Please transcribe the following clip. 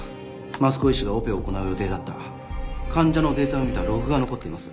益子医師がオペを行う予定だった患者のデータを見たログが残っています。